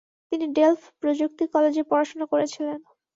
তিনি ডেলফ প্রযুক্তি কলেজে পড়াশোনা করেছিলেন।